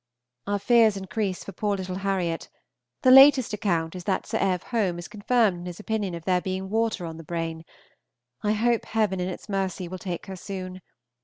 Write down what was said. Our fears increase for poor little Harriot; the latest account is that Sir Ev. Home is confirmed in his opinion of there being water on the brain. I hope Heaven, in its mercy, will take her soon.